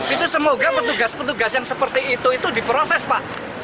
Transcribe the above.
itu semoga petugas petugas yang seperti itu itu diproses pak